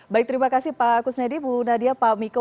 baik terima kasih pak kusnedi bu nadia pak miko